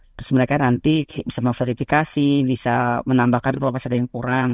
terus mereka nanti bisa memverifikasi bisa menambahkan kalau masih ada yang kurang